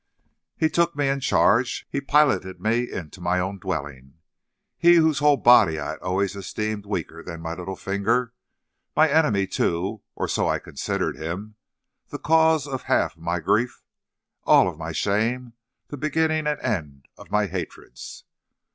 "He took me in charge; he piloted me into my own dwelling he whose whole body I had always esteemed weaker than my little finger; my enemy too, or so I considered him; the cause of half my grief, of all my shame, the beginning and end of my hatreds.